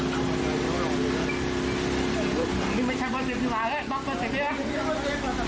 เขาหลบออกมาเข้ามันจะหยุดเป็นไงเอาเอาเอา